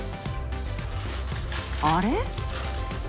あれ？